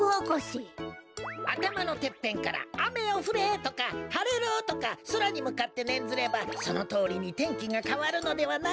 あたまのてっぺんから「あめよふれ！」とか「はれろ！」とかそらにむかってねんずればそのとおりに天気がかわるのではないかな？